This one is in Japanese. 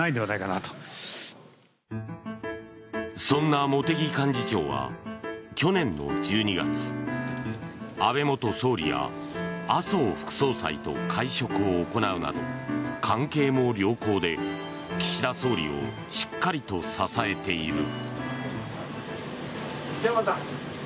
そんな茂木幹事長は去年の１２月安倍元総理や麻生副総裁と会食を行うなど関係も良好で、岸田総理をしっかりと支えている。